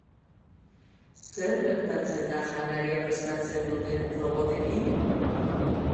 Zer gertatzen da janaria prestatzen duten robotekin?